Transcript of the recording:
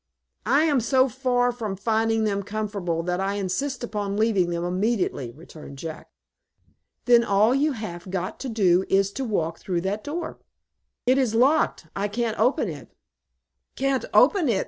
"I am so far from finding them comfortable that I insist upon leaving them immediately," returned Jack. "Then all you have got to do is to walk through that door. "It is locked; I can't open it." "Can't open it!"